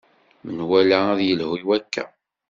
Menwala ad yelhu i wakka.